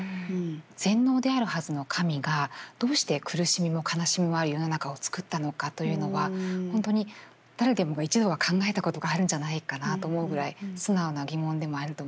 全能であるはずの神がどうして苦しみも悲しみもある世の中をつくったのかというのは本当に誰でもが一度は考えたことがあるんじゃないかなと思うぐらい素直な疑問でもあると思います。